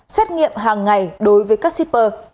xét nghiệm hàng ngày đối với các shipper